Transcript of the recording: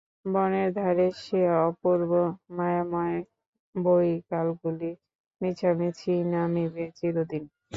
বনের ধারে সে অপূর্ব মায়াময় বৈকালগুলি মিছামিছিই নামিবে চিরদিন।